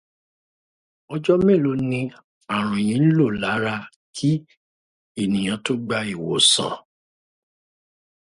Ọjọ́ mélòó ni ààrùn yìí ń lò lára kí ènìyàn tó gba ìwòsàn?